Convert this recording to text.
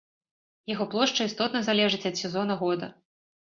Яго плошча істотна залежыць ад сезона года.